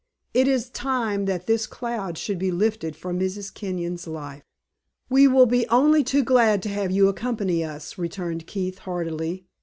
It is time that this cloud should be lifted from Mrs. Kenyon's life." "We will be only too glad to have you accompany us," returned Keith, heartily.